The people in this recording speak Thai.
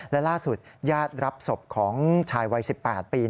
และล่าสุดญาติรับศพของชายวัย๑๘ปี